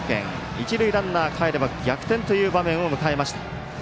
一塁ランナーかえれば逆転という場面を迎えました。